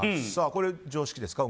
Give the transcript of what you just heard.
これ、常識ですか？